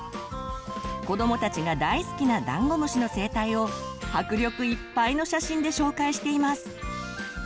子どもたちが大好きなダンゴムシの生態を迫力いっぱいの写真で紹介しています。